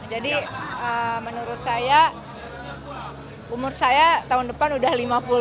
jadi menurut saya umur saya tahun depan sudah lima puluh